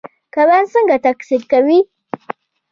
کبان څنګه تکثیر کوي؟